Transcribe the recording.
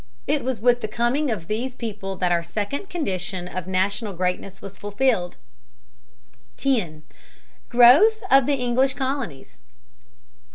It was with the coming of these people that our second condition of national greatness was fulfilled. 10. GROWTH OF THE ENGLISH COLONIES.